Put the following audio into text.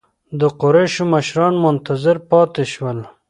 د قریشو مشران منتظر پاتې شول.